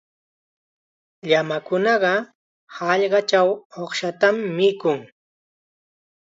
Llamakunaqa hallqachaw uqshatam mikuyan.